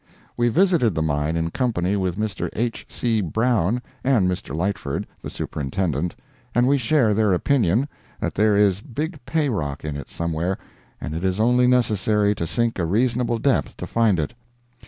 We visited the mine in company with Mr. H. C. Brown and Mr. Lightford, the Superintendent, and we share their opinion, that there is big pay rock in it somewhere, and it is only necessary to sink a reasonable depth to find it.